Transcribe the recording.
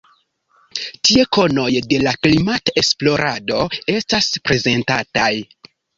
Tie konoj de la klimat-esplorado estas prezentataj.